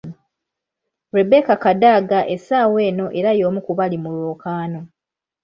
Rebecca Kadaga essaawa eno era y'omu ku bali mu lwokaano.